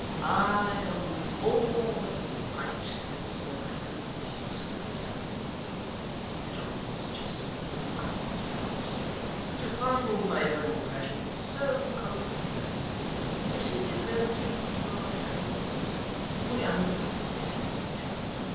'I am more delighted than I can possibly tell you,' rejoined Mr Chester with the utmost blandness, 'to find my own impression so confirmed. You see the advantage of our having met. We understand each other.